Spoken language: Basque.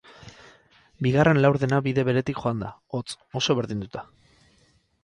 Bigarren laurdena bide beretik joan da, hots, oso berdinduta.